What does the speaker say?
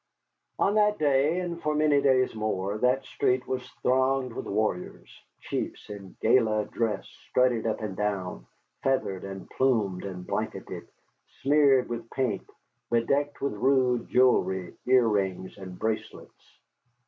On that day, and for many days more, that street was thronged with warriors. Chiefs in gala dress strutted up and down, feathered and plumed and blanketed, smeared with paint, bedecked with rude jewellery, earrings and bracelets.